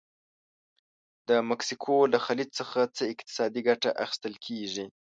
د مکسیکو له خلیج څخه څه اقتصادي ګټه اخیستل کیږي؟